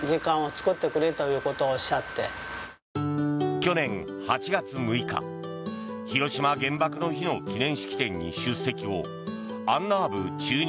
去年８月６日広島原爆の日の記念式典に出席後アンナーブ駐日